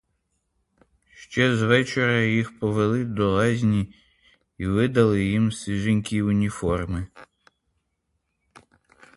Ще з вечора їх повели до лазні й видали їм свіженькі уніформи.